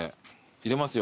入れますよ。